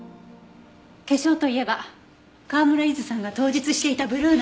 化粧といえば川村ゆずさんが当日していたブルーのアイシャドー